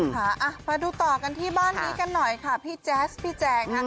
มาดูต่อกันที่บ้านนี้กันหน่อยค่ะพี่แจ๊สพี่แจงนะ